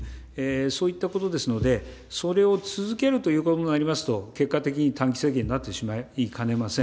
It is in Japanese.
そういったことですので、それを続けるということになりますと、結果的に短期政権になってしまいかねません。